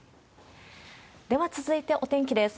では続いてお天気です。